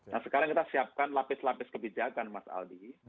nah sekarang kita siapkan lapis lapis kebijakan mas aldi